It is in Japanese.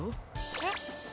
えっ？